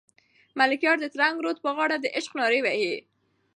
ملکیار د ترنګ رود په غاړه د عشق نارې وهي.